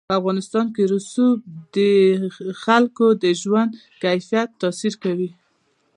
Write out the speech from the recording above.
په افغانستان کې رسوب د خلکو د ژوند کیفیت تاثیر کوي.